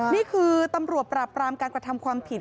นี่คือตำรวจปราบรามการกระทำความผิด